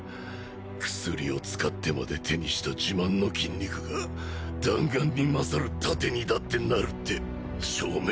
薬を使ってまで手にした自慢の筋肉が弾丸に勝る盾にだってなるって証明できてね。